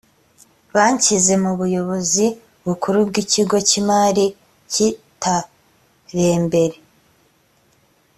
banshyize mu buyobozi bukuru bw’ikigo kimari kitarembere